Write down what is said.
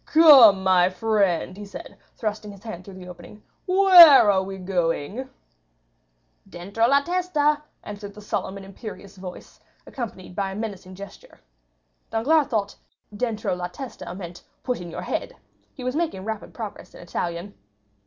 "Come, my friend," he said, thrusting his hand through the opening, "where are we going?" "Dentro la testa!" answered a solemn and imperious voice, accompanied by a menacing gesture. Danglars thought dentro la testa meant, "Put in your head!" He was making rapid progress in Italian.